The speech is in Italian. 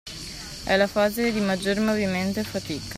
È la fase di maggior movimento e fatica.